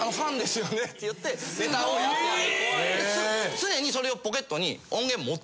常にそれをポケットに。